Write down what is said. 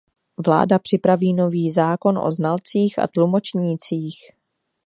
Vláda připraví nový zákon o znalcích a tlumočnících.